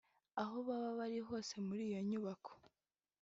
aho baba bari hose muri iyo nyubako